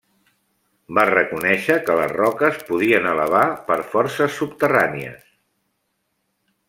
Va reconèixer que les roques podien elevar per forces subterrànies.